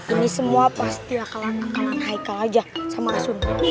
ini semua pasti akalan hai kal aja sama asun